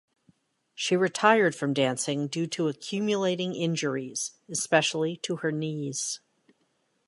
She retired from dancing due to accumulating injuries, especially to her knees.